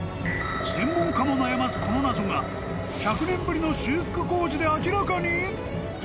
専門家も悩ます、この謎が１００年ぶりの修復工事で明らかに？